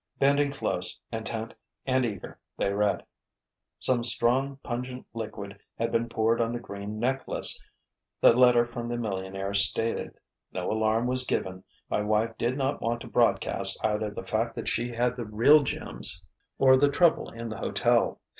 Bending close, intent and eager, they read: "Some strong, pungent liquid had been poured on the green necklace," the letter from the millionaire stated. "No alarm was given. My wife did not want to broadcast either the fact that she had the real gems or the trouble in the hotel.